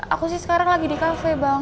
aku sih sekarang lagi di cafe bang